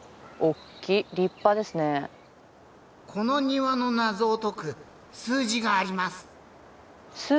この庭の謎を解く数字があります。